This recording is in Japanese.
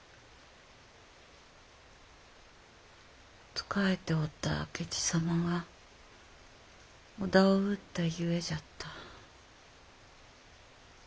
仕えておった明智様が織田を討ったゆえじゃった。